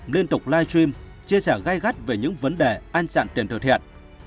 liên tục live stream chia sẻ gai gắt về những vấn đề an chặn tiền từ thiện